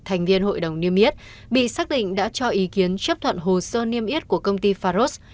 thành viên hội đồng niêm yết bị xác định đã cho ý kiến chấp thuận hồ sơ niêm yết của công ty faros